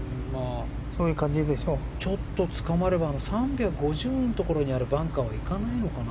ちょっとつかまれば３５０のところのバンカーにはいかないのかな。